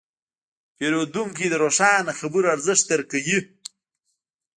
پیرودونکی د روښانه خبرو ارزښت درک کوي.